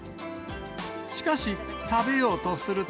しかし、食べようとすると。